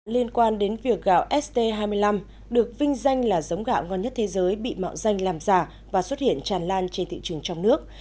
liên quan đến việc gạo st hai mươi năm được vinh danh là giống gạo ngon nhất thế giới bị mạo danh làm giả và xuất hiện tràn lan trên thị trường trong nước